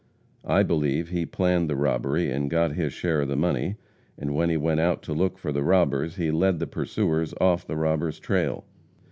I believe he planned the robbery and got his share of the money, and when he went out to look for the robbers he led the pursuers off the robbers' trail.